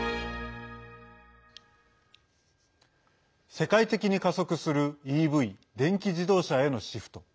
世界的に加速するＥＶ＝電気自動車へのシフト。